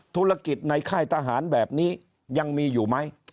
ธุรกิจในค่ายทหารแบบนี้ยังมีอยู่ไหม